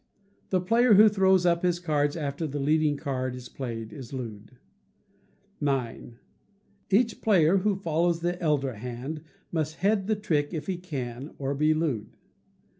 The player who throws up his cards after the leading card is played, is looed. ix. Each player who follows the elder hand must head the trick if he can, or be looed.